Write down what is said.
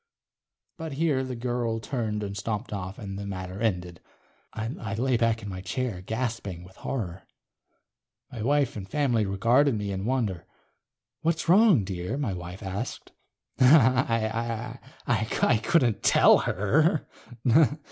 But here the girl turned and stomped off and the matter ended. I lay back in my chair gasping with horror. My wife and family regarded me in wonder. "What's wrong, dear?" my wife asked. I couldn't tell her.